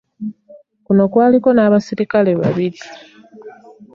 Kuno kwaliko n'abaserikale babiri.